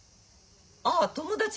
ああ友達。